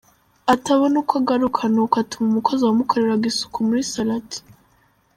atabona uko agaruka! Ni uko atuma umukozi wamukoreraga isuku muri salon ati.